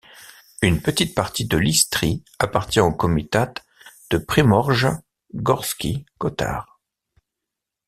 Une petite partie de l’Istrie appartient au comitat de Primorje-Gorski Kotar.